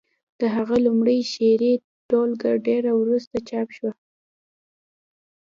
د هغه لومړۍ شعري ټولګه ډېره وروسته چاپ شوه